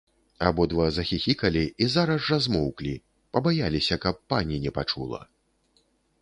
Абодва захіхікалі і зараз жа змоўклі, пабаяліся, каб пані не пачула.